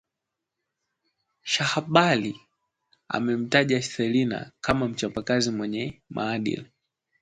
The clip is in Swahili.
Shahbali amemtaja Selina kama mchapa kazi na mwenye maadili